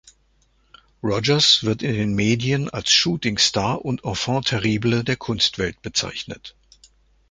Rogers wird in den Medien als „Shooting Star“ und „Enfant terrible“ der Kunstwelt bezeichnet.